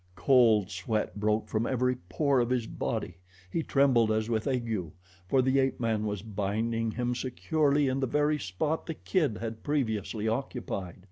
Cold sweat broke from every pore of his body he trembled as with ague for the ape man was binding him securely in the very spot the kid had previously occupied.